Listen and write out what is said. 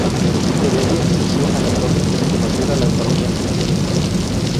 Heredia exigió a Latorre que reconociera la autonomía jujeña.